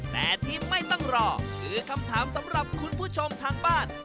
แต่ที่ไม่ต้องรอคือคำถามสำหรับคุณผู้ชมทางบ้าน